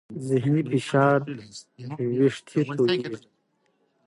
ذهني فشار وېښتې تویېږي.